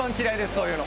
そういうの。